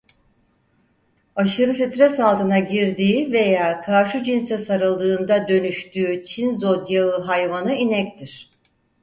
Aşırı stres altına girdiği veya karşı cinse sarıldığında dönüştüğü Çin Zodyağı hayvanı "inek"tir.